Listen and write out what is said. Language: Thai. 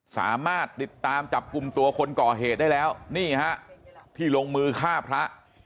สามารถติดตามจับกลุ่มตัวคนก่อเหตุได้แล้วนี่ฮะที่ลงมือฆ่าพระ